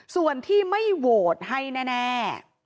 ส่วนที่ไม่โหวตให้แน่